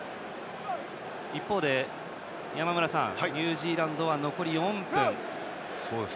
一方で山村さんニュージーランドは残り４分です。